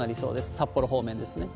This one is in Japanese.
札幌方面ですね。